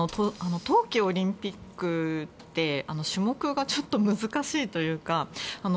冬季オリンピックって種目がちょっと難しいというか。